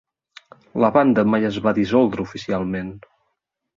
La banda mai es va dissoldre oficialment.